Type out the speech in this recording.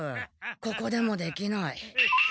ここでもできない。